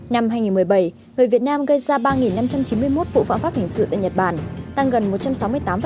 năm hai nghìn một mươi bảy người việt nam gây ra ba năm trăm chín mươi một vụ phạm pháp hình sự tại nhật bản tăng gần một trăm sáu mươi tám so với năm hai nghìn một mươi sáu